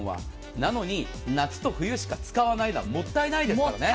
なのに、夏と冬しか使わないのはもったいないですからね。